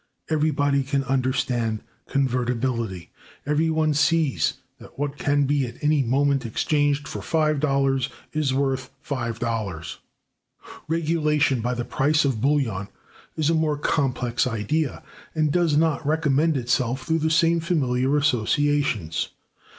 Everybody can understand convertibility; every one sees that what can be at any moment exchanged for five [dollars] is worth five [dollars]. Regulation by the price of bullion is a more complex idea, and does not recommend itself through the same familiar associations.